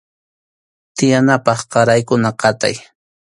Tiyanapaq raqaykuna qatay.